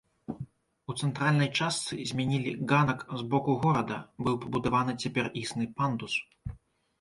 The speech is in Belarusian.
У цэнтральнай частцы змянілі ганак з боку горада, быў пабудаваны цяпер існы пандус.